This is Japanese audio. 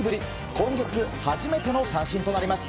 今月初めての三振となります。